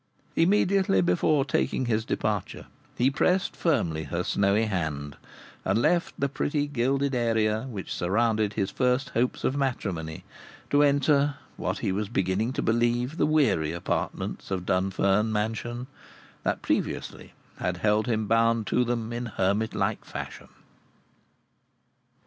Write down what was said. Immediately before taking his departure he pressed firmly her snowy hand, and left the pretty gilded area which surrounded his first hopes of matrimony to enter what he was beginning to believe the weary apartments of Dunfern Mansion, that previously had held him bound to them in hermit like fashion.